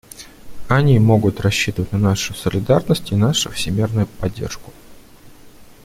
Они могут рассчитывать на нашу солидарность и нашу всемерную поддержку.